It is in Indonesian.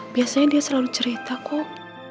biasanya dia selalu cerita kok